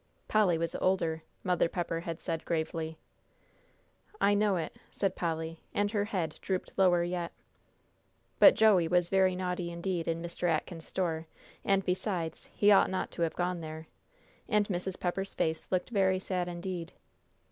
"Polly was older," Mother Pepper had said gravely. "I know it," said Polly, and her head drooped lower yet. "But Joey was very naughty indeed in Mr. Atkins' store and besides, he ought not to have gone there." And Mrs. Pepper's face looked very sad indeed.